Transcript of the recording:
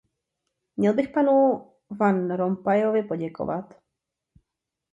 Měl bych panu Van Rompuyovi poděkovat.